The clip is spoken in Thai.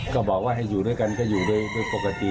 ก็บอกว่าให้อยู่ด้วยกันก็อยู่โดยปกติ